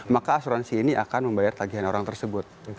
maka asuransi ini akan membayar tagihan orang tersebut